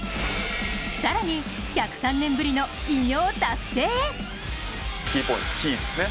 更に、１０３年ぶりの偉業達成へ。